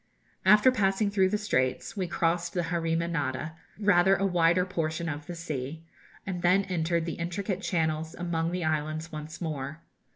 After passing through the Straits, we crossed the Harima Nada rather a wider portion of the sea and then entered the intricate channels among the islands once more.